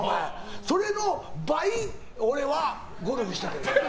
それの倍、俺はゴルフしてる。